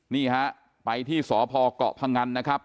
นี่ฮะไปที่สพเกาะพงันนะครับ